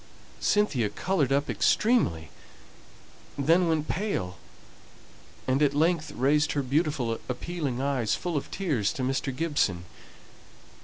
Cynthia coloured up extremely, then went pale, and at length raised her beautiful appealing eyes full of tears to Mr. Gibson.